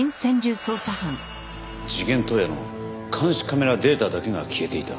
事件当夜の監視カメラデータだけが消えていた？